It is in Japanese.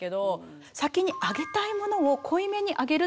先にあげたいものを濃いめにあげるというのを。